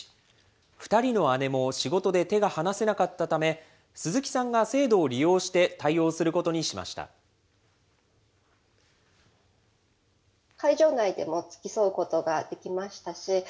２人の姉も仕事で手が離せなかったため、鈴木さんが制度を利用して対応することにしました。